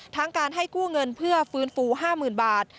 ทั้งการให้กู้เงินเพื่อฟื้นฟู๕๐๐๐บาท